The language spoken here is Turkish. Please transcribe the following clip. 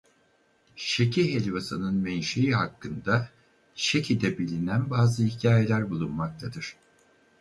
Şeki helvasının menşei hakkında Şeki'de bilinen bazı hikâyeler bulunmaktadır.